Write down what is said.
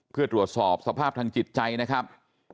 เพื่อตรวจสอบสภาพทางจิตใจนะครับ